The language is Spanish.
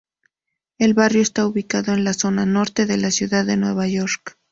El barrio está ubicado en la zona norte de la ciudad de Nueva York.